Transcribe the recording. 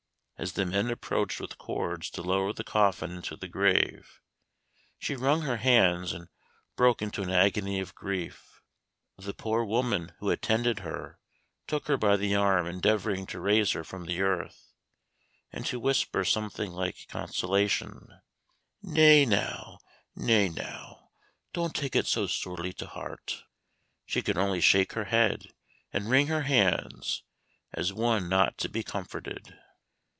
As the men approached with cords to lower the coffin into the grave, she wrung her hands, and broke into an agony of grief. The poor woman who attended her took her by the arm endeavoring to raise her from the earth, and to whisper something like consolation: "Nay, now nay, now don't take it so sorely to heart." She could only shake her head, and wring her hands, as one not to be comforted.